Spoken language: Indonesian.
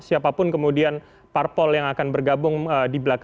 siapapun kemudian parpol yang akan bergabung di belakang